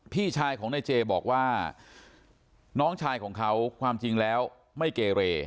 พี่ชายของนายเจบอกว่าน้องชายของเขาความจริงแล้วไม่เกเร